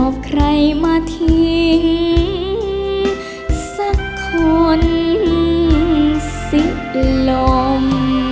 ใครมาทิ้งสักคนสิบลม